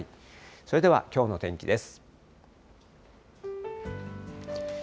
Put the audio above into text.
それではきょうの天気です。